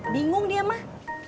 bingung dia mah